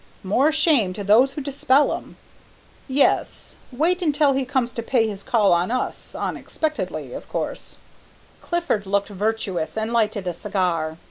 "More shame to those who dispel 'em!" "Yes, wait until he comes to pay his call on us, unexpectedly, of course " Clifford looked virtuous and lighted a cigar.